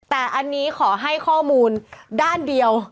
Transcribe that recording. แต่อันนี้ขอให้ข้อมูลด้านเดียว